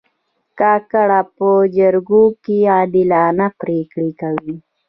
کاکړ په جرګو کې عادلانه پرېکړې کوي.